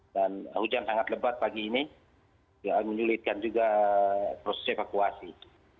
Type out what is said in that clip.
hujan sangat lebat pagi ini menyulitkan juga proses evakuasi